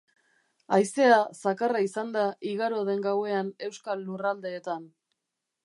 Haizea zakarra izan da igaro den gauean euskal lurraldeetan.